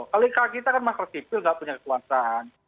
kalau kita kan masyarakat sipil nggak punya kekuasaan